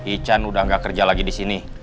ican udah gak kerja lagi disini